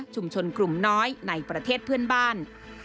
กลุ่มน้อยในประเทศเพื่อนบ้าน